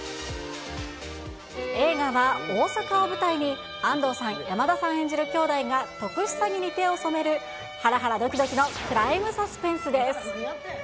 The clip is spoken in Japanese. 映画は大阪を舞台に、安藤さん、山田さん演じるきょうだいが、特殊詐欺に手を染める、はらはらドキドキのクライムサスペンスです。